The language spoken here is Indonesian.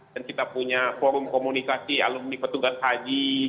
dan kita punya forum komunikasi alumni petugas haji